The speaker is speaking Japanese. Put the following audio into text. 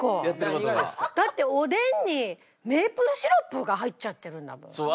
やってる事が？だっておでんにメープルシロップが入っちゃってるんだもん。